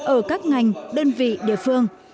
ở các ngành đơn vị địa phương